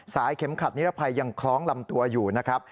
เข็มขัดนิรภัยยังคล้องลำตัวอยู่นะครับ